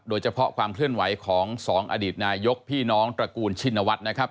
โดยเฉพาะความเคลื่อนไหวของสองอดีตนายกพี่น้องตระกูลชินวัฒน์นะครับ